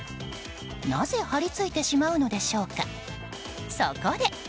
なぜ張り付いてしまうのでしょうかそこで。